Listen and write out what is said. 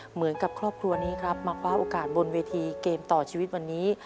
เหมือนกับครอบครัวนี้ครับมาคว้าโอกาสบนเวทีเกมต่อชีวิตวันนี้